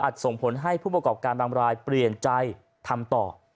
ส่งผลให้ผู้ประกอบการบางรายเปลี่ยนใจทำต่อ